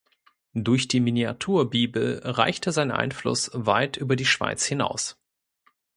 Durch die Miniaturbibel reichte sein Einfluss weit über die Schweiz hinaus.